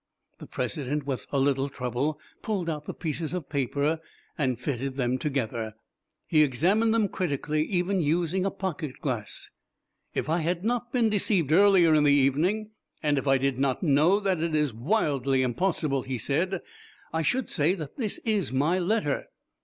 The president with a little trouble pulled out the pieces of paper and fitted them together. He examined them critically, even using a pocket glass. "If I had not been deceived earlier in the evening, and if I did not know that it is wildly impossible," he said, "I should say that this is my letter."